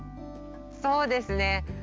そうですね。